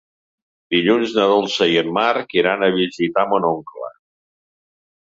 Dilluns na Dolça i en Marc iran a visitar mon oncle.